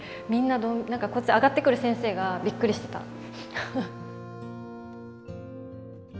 みんなこっち上がってくる先生がびっくりしてた。